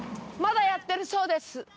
まだやってるそうです。